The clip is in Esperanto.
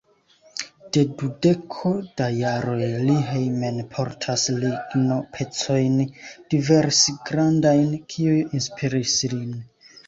De dudeko da jaroj li hejmenportas lignopecojn diversgrandajn, kiuj inspiris lin.